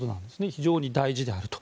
非常に大事であると。